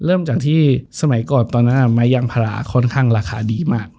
เริ่มจากที่สมัยก่อนตอนนั้นไม้ยางพาราค่อนข้างราคาดีมาก